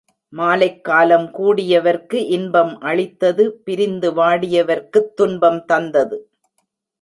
மாலைக் காலம் கூடியவர்க்கு இன்பம் அளித்தது பிரிந்து வாடியவர்க்குத் துன்பம் தந்தது.